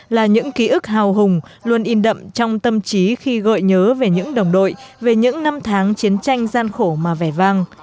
là những ký ức hào hùng luôn in đậm trong tâm trí khi gợi nhớ về những đồng đội về những năm tháng chiến tranh gian khổ mà vẻ vang